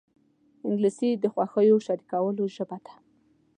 انګلیسي د خوښیو شریکولو ژبه ده